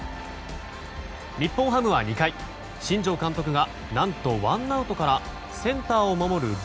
日本ハムは２回、新庄監督が何とワンアウトからセンターを守る